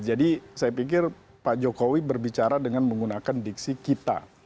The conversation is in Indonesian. saya pikir pak jokowi berbicara dengan menggunakan diksi kita